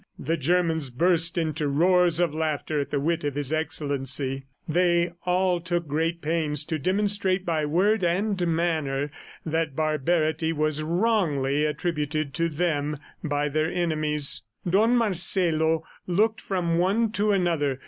The Germans burst into roars of laughter at the wit of His Excellency. They all took great pains to demonstrate by word and manner that barbarity was wrongly attributed to them by their enemies. Don Marcelo looked from one to another.